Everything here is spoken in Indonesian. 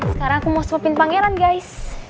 sekarang aku mau sopin pangeran guys